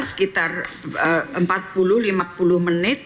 sekitar empat puluh lima puluh menit